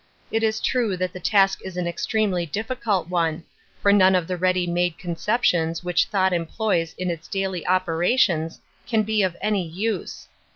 It is true that the task is an extremely diffi cult one, for none of the ready made concep tions which thought employs in its daily operations can be of any use.